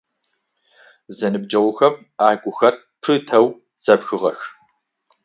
Зэныбджэгъухэм агухэр пытэу зэпхыгъэх.